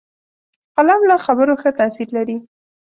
قلم له خبرو ښه تاثیر لري